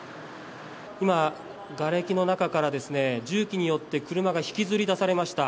今、がれきの中から重機によって車が引きずり出されました。